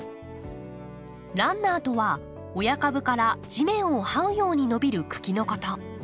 「ランナー」とは親株から地面をはうように伸びる茎のこと。